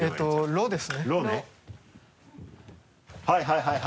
はいはい。